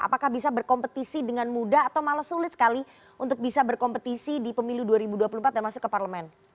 apakah bisa berkompetisi dengan mudah atau malah sulit sekali untuk bisa berkompetisi di pemilu dua ribu dua puluh empat dan masuk ke parlemen